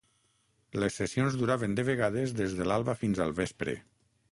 Les sessions duraven de vegades des de l'alba fins al vespre.